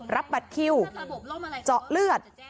รับบัตรคิวเจาะเลือด